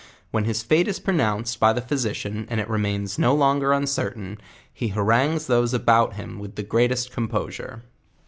When his fate is pronounced by the physician and it remains no longer uncertain, he haran gues those about him with the greatest composure.